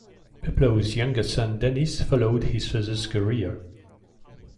Peploe's younger son Denis followed his father's career.